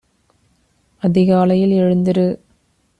அதிகாலையில் எழுந்திரு.